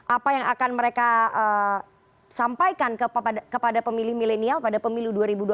apa yang akan mereka sampaikan kepada pemilih milenial pada pemilu dua ribu dua puluh